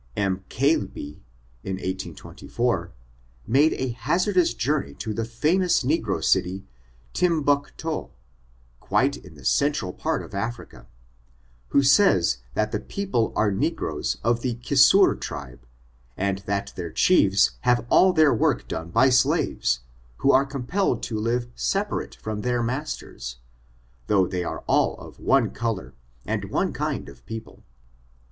M. Cailbe, in 1824, made a hazardous journey to the famous negro city, Tim bucio, quite in the central part of Africa, who says that the people are negroes of the Kissour tribe, and that their chiefs have all their work done by slaves, who are compelled to live separate from their mas ters, though they are all of one color, and one kind of people.